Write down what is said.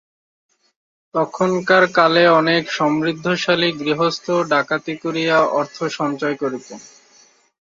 তখনকার কালে অনেক সমৃদ্ধিশালী গৃহস্থও ডাকাতি করিয়া অর্থ সঞ্চয় করিতেন।